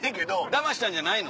だましたんじゃないの？